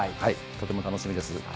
とても楽しみです。